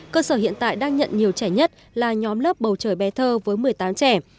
cơ sở hiện tại đang nhận nhiều trẻ nhất là nhóm lớp bầu trời bé thơ với một mươi tám trẻ